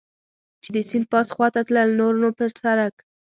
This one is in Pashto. چې د سیند پاس خوا ته تلل، نور نو پر سړک.